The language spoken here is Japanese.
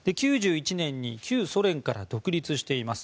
９１年に旧ソ連から独立しています。